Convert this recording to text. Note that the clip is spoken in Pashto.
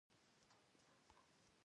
نبي کريم ص به همېش مشوره کوله.